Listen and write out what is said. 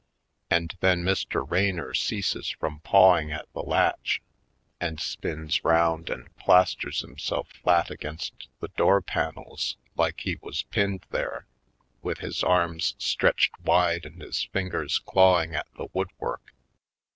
And then Mr. Raynor ceases from paw ing at the latch and spins round and plast ers himself flat against the door panels like Pistol Plays 245 he was pinned there, with his arms stretched wide and his fingers clawing at the wood work.